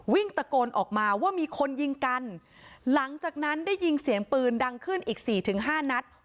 วิ่งตะโกนออกมาว่ามีคนยิงกันหลังจากนั้นได้ยินเสียงปืนดังขึ้นอีกสี่ถึงห้านัด